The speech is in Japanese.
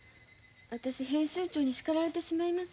私編集長に叱られてしまいます。